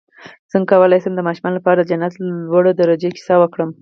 څنګه کولی شم د ماشومانو لپاره د جنت لوړو درجو کیسه وکړم